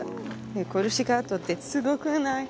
コルシカ島ってすごくない？